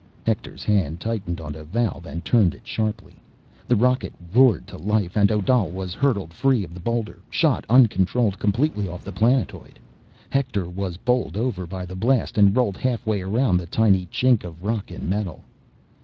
Hector's hand tightened on a valve and turned it sharply. The rocket roared to life and Odal was hurtled free of the boulder, shot uncontrolled completely off the planetoid. Hector was bowled over by the blast and rolled halfway around the tiny chink of rock and metal.